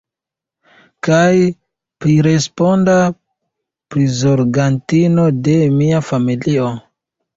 Kaj priresponda prizorgantino de mia familio?